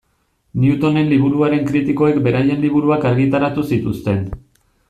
Newtonen liburuaren kritikoek beraien liburuak argitaratu zituzten.